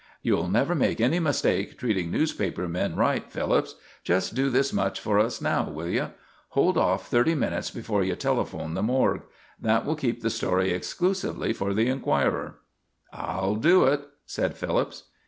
"You'll never make any mistake treating newspaper men right, Phillips. Just do this much for us now, will you? Hold off thirty minutes before you telephone the morgue. That will keep the story exclusively for the Enquirer." "I'll do it," said Phillips.